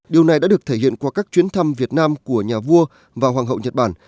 điều này đã được thể hiện qua các chuyến thăm việt nam của nhà vua và hoàng hậu nhật bản